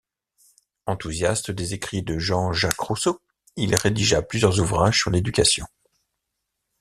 Enthousiaste des écrits de Jean-Jacques Rousseau, il rédigea plusieurs ouvrages sur l'éducation.